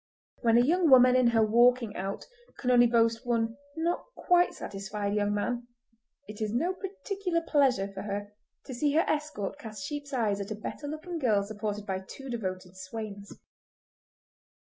When a young woman in her "walking out" can only boast one not quite satisfied young man, it is no particular pleasure to her to see her escort cast sheep's eyes at a better looking girl supported by two devoted swains.